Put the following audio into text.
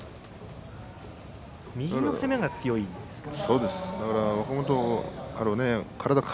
右の攻めが強いんですかね。